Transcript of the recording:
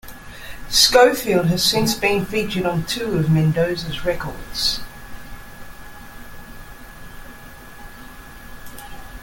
Scofield has since been featured on two of Mendoza's records.